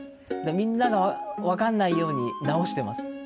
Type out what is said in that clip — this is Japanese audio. みんながわかんないように直してます。